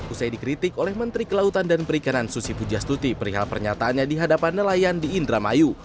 usai dikritik oleh menteri kelautan dan perikanan susi pujastuti perihal pernyataannya di hadapan nelayan di indramayu